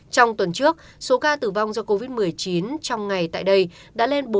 trong tuần trước số ca tử vong do covid một mươi chín trong ngày tại đây đã lên bốn hai trăm linh ca